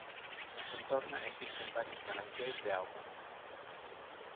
Na contorna existen varios mananciais de auga.